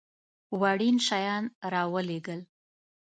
وړین شیان را ولېږل.